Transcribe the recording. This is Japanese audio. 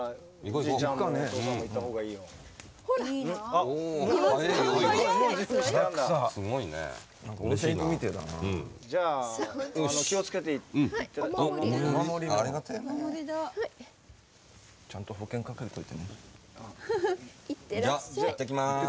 じゃあ行ってきます。